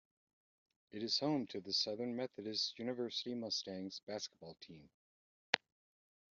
It is home to the Southern Methodist University Mustangs basketball team.